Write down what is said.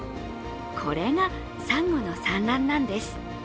これがサンゴの産卵なんです。